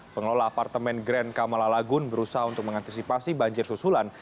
pengelola apartemen grand kamala lagun berusaha untuk mengantisipasi banjir susulan